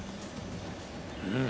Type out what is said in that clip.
うん。